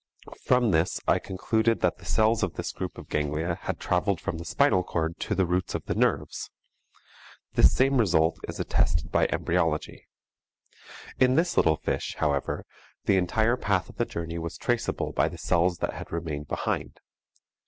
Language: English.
From this I concluded that the cells of this group of ganglia had traveled from the spinal cord to the roots of the nerves. This same result is attested by embryology. In this little fish, however, the entire path of the journey was traceable by the cells that had remained behind.